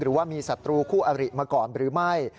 หรือว่ามีศัตรูคู่อริมาก่อนหรือไม่